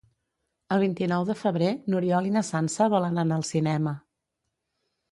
El vint-i-nou de febrer n'Oriol i na Sança volen anar al cinema.